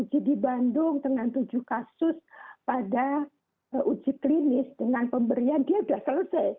di bandung dengan tujuh kasus pada uji klinis dengan pemberian dia sudah selesai